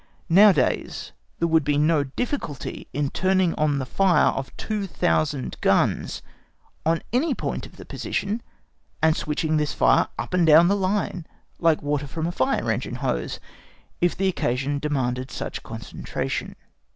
Nowadays there would be no difficulty in turning on the fire of two thousand guns on any point of the position, and switching this fire up and down the line like water from a fire engine hose, if the occasion demanded such concentration.